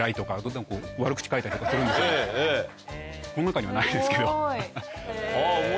描いたりとかするんですこの中にはないですけど。